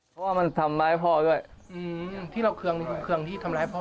เพราะว่ามันทำร้ายพ่อด้วยที่เราเครื่องที่ทำร้ายพ่อ